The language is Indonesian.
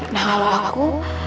nah kalau aku